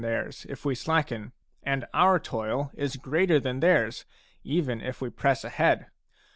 theirs if we slacken, and our toil is greater than theirs even if we press ahead.